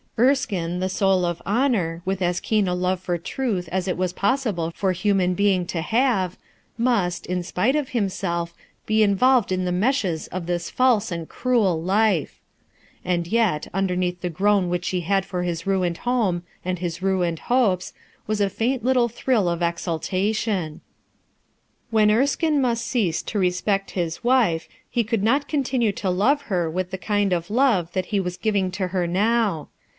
Erekine, the soul of honor, with as keen a love for truth as it was possible for human being to have, must, in spite of himself, be involved in the meshes of this false and cruel life I And yet, underneath the groan which she had for his ruined home and his ruined hopes, was a faint little thrill of exaltation. When Erskine must cease to respect his wife, he could not continue to love her with the kind of love that he was giving to her now.